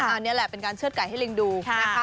อันนี้แหละเป็นการเชื่อดไก่ให้ลิงดูนะคะ